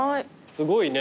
すごいね。